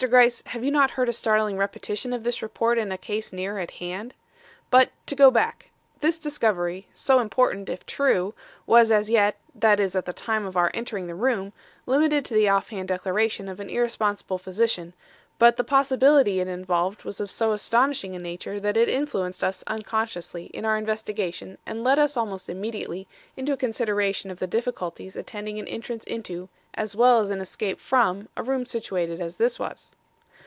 Gryce, have you not heard a startling repetition of this report in a case nearer at hand? "But to go back. This discovery, so important if true, was as yet that is, at the time of our entering the room, limited to the off hand declaration of an irresponsible physician, but the possibility it involved was of so astonishing a nature that it influenced us unconsciously in our investigation and led us almost immediately into a consideration of the difficulties attending an entrance into, as well as an escape from, a room situated as this was.